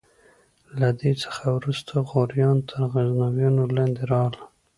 له دې څخه وروسته غوریان تر غزنویانو لاندې راغلل.